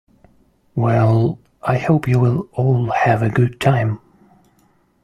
Well, I hope you will all have a good time.